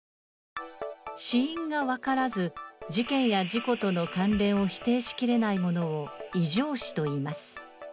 死因がわからず、事件や事故との関連を否定しきれないものを異状死といいます。